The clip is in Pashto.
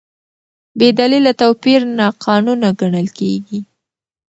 بېدلیله توپیر ناقانونه ګڼل کېږي.